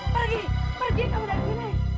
pergi pergi kamu dari sini